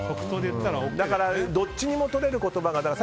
だからどっちにも取れる言葉だから